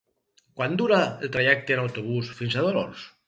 Quant dura el trajecte en autobús fins a Dolors?